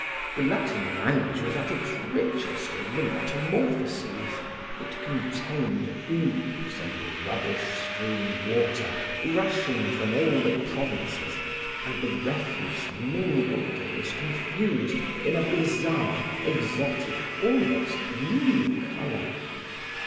The Latin language was at its richest in the Metamorphoses; it contained ooze and rubbish strewn water rushing from all the provinces, and the refuse mingled and was confused in a bizarre, exotic, almost new color.